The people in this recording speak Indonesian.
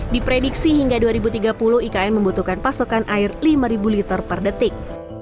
diprediksi hingga dua ribu tiga puluh ikn membutuhkan pasokan air lima liter per detik